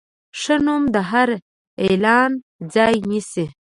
ښه نوم د هر اعلان ځای نیسي.